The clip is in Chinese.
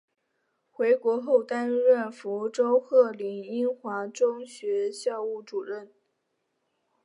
回国后担任福州鹤龄英华中学校务主任。